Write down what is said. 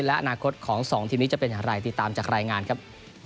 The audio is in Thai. และอนาคตของ๒ทีมนี้จะเป็นอย่างไรติดตามจากรายงานครับ